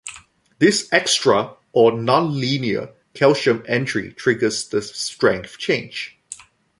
This extra, or "nonlinear", calcium entry triggers the strength change.